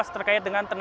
terkait dengan tenaga